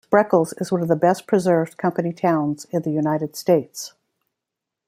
Spreckels is one of the best-preserved company towns in the United States.